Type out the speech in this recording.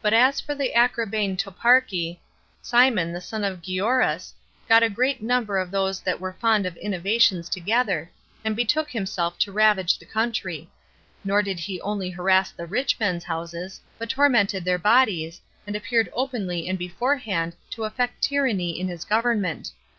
But as for the Acrabbene toparchy, Simon, the son of Gioras, got a great number of those that were fond of innovations together, and betook himself to ravage the country; nor did he only harass the rich men's houses, but tormented their bodies, and appeared openly and beforehand to affect tyranny in his government.